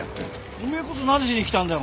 おめえこそ何しに来たんだよ？